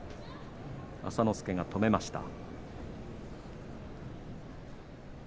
朝之助が止めました。